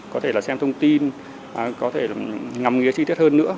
có thể là xem thông tin có thể ngắm nghĩa chi tiết hơn nữa